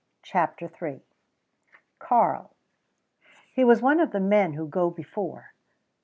CHAPTER III KARL He was one of the men who go before.